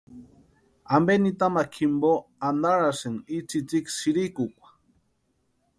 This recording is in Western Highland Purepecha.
¿Ampe nitamakwa jimpo antarasïni i tsïtsïki sïrikukwa?